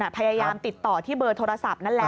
พยายามติดต่อที่เบอร์โทรศัพท์นั่นแหละ